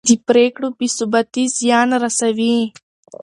د پرېکړو بې ثباتي زیان رسوي